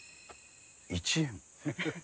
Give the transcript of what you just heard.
１円。